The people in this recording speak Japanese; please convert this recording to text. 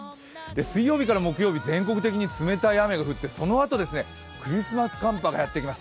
水曜日から木曜日、全国的に冷たい雨が降ってそのあとクリスマス寒波がやってきます。